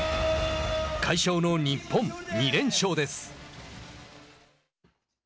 快勝の日本、２連勝です。